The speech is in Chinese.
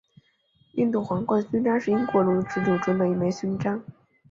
印度皇冠勋章是英国荣誉制度中的一枚勋章。